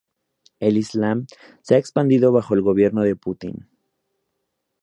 El Islam se ha expandido bajo el gobierno de Putin.